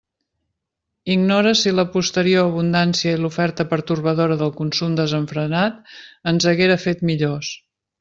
Ignore si la posterior abundància i l'oferta pertorbadora del consum desenfrenat ens haguera fet millors.